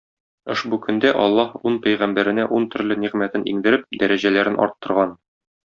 Ошбу көндә Аллаһ ун пәйгамбәренә ун төрле нигъмәтен иңдереп, дәрәҗәләрен арттырган.